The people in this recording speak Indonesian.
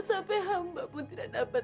sampai hamba pun tidak dapat